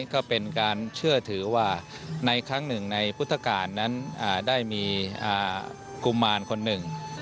ก็เป็นการเชื่อถือว่าในครั้งหนึ่งในพุทธกาลนั้นได้มีกุมารคนหนึ่ง